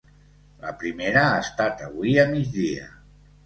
La primera ha estat avui a migdia.